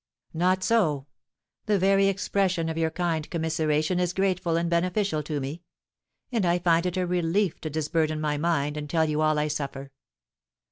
"Not so; the very expression of your kind commiseration is grateful and beneficial to me; and I find it a relief to disburden my mind, and tell you all I suffer.